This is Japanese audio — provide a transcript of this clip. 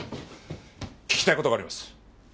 聞きたい事があります。